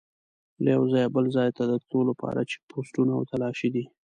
له یوه ځایه بل ځای ته د تلو لپاره چیک پوسټونه او تلاشي دي.